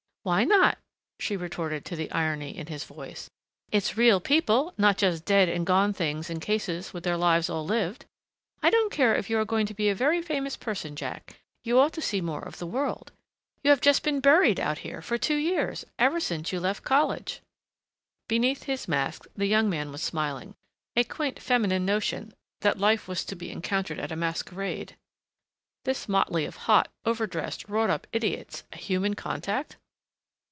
"Why not?" she retorted to the irony in his voice. "It's real people not just dead and gone things in cases with their lives all lived. I don't care if you are going to be a very famous person, Jack, you ought to see more of the world. You have just been buried out here for two years, ever since you left college " Beneath his mask the young man was smiling. A quaint feminine notion, that life was to be encountered at a masquerade! This motley of hot, over dressed, wrought up idiots a human contact!